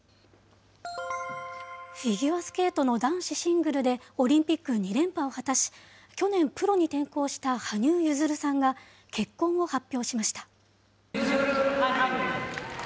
フィギュアスケートの男子シングルでオリンピック２連覇を果たし、去年プロに転向した羽生結弦さんが、結婚を発表しました。